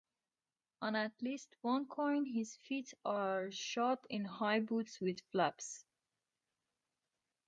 On at least one coin, his feet are shod in high boots with flaps.